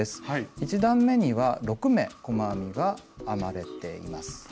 １段めには６目細編みが編まれています。